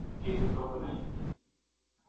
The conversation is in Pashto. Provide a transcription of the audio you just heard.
علمي میتود باید په دقیق ډول وکارول سي.